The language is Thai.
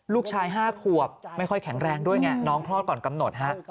ลูกชาย๕ขวบไม่ค่อยแข็งแรงด้วยไงน้องคลอดก่อนกำหนดฮะ